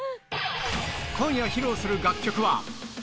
今夜披露する楽曲は。